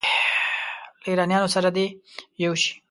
له ایرانیانو سره دې یو شي.